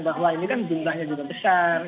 bahwa ini kan jumlahnya juga besar